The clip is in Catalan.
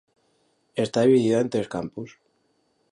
Està dividida en tres campus.